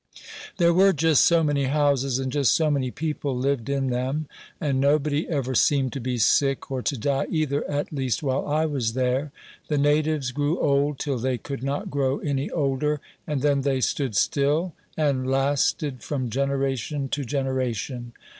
There were just so many houses, and just so many people lived in them; and nobody ever seemed to be sick, or to die either, at least while I was there. The natives grew old till they could not grow any older, and then they stood still, and lasted from generation to generation.